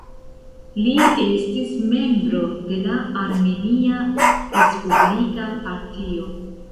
Li estis membro de la Armenia Respublika Partio.